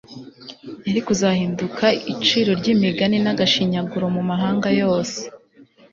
yari kuzahinduka iciro ry'imigani n'agashinyaguro mu mahanga yose